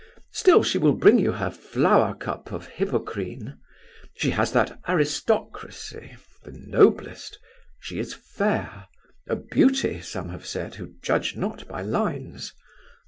Still she will bring you her flower cup of Hippocrene. She has that aristocracy the noblest. She is fair; a Beauty, some have said, who judge not by lines.